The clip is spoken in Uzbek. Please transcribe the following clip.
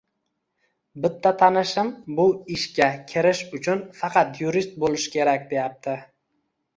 bitta tanishim bu ishga kirish uchun faqat yurist bo‘lish kerak deyapti